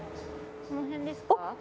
この辺ですか？